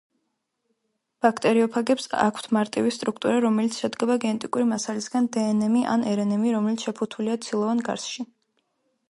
ბაქტერიოფაგებს აქვთმარტივი სტრუქტურა რომელიც შედგება გენეტიკური მასალისგან დნმ ან რნმ რომელიც შეფუთულია ცილოვან გარსში